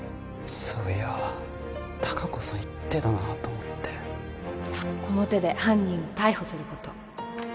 そういや隆子さん言ってたなと思ってこの手で犯人を逮捕すること